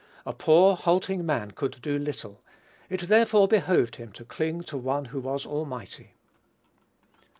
A poor halting man could do little: it therefore behoved him to cling to one who was almighty.